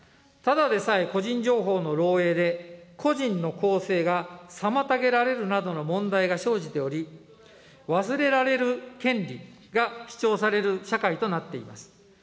ただでさえ個人情報の漏えいで、個人の更生が妨げられるなどの問題が生じており、忘れられる権利が主張される社会となっています。